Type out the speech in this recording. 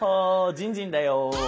じんじんだよ。